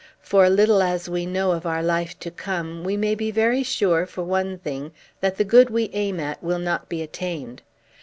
For, little as we know of our life to come, we may be very sure, for one thing, that the good we aim at will not be attained.